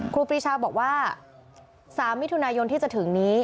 ครูปีชาบอกว่า๓มิถุนายนที่จะถึงนี้